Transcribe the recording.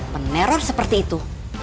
meneror seperti itu